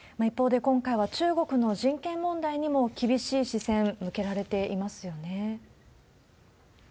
一方で、今回は中国の人権問題にも厳しい視線、向けられていますよね。